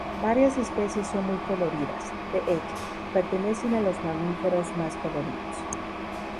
Varias especies son muy coloridas, de hecho, pertenecen a los mamíferos más coloridos.